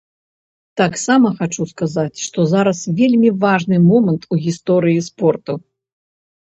Таксама хачу сказаць, што зараз вельмі важны момант у гісторыі спорту.